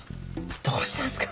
どうしたんですか？